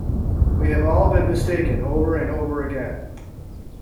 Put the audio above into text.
We have all been mistaken over and over again.